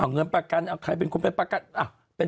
เงินประกันใครเป็นคนเป็นประกัน